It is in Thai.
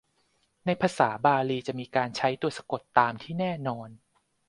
ในภาษาบาลีจะมีการใช้ตัวสะกดตัวตามที่แน่นอน